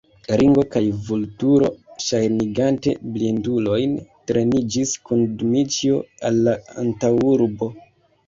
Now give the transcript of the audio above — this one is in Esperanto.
Ringo kaj Vulturo, ŝajnigante blindulojn, treniĝis kun Dmiĉjo al la antaŭurbo.